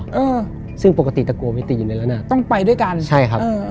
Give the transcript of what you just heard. เออซึ่งปกติตะกัวไม่ตีในละนาดต้องไปด้วยกันใช่ครับเออเออ